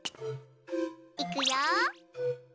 いくよ。